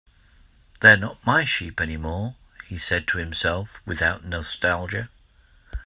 "They're not my sheep anymore," he said to himself, without nostalgia.